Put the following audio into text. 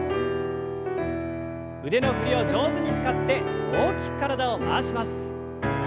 腕の振りを上手に使って大きく体を回します。